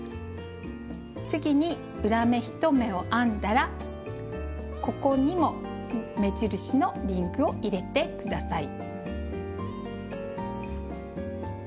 次に裏目１目を編んだらここにも目印のリングを入れて下さい。